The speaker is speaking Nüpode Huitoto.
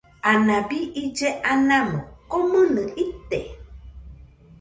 Anabi ille anamo, komɨnɨ ite.